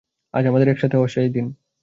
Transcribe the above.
আজ আমাদের একসাথে হওয়ার শেষ দিন।